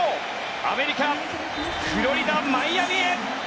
アメリカ・フロリダマイアミへ！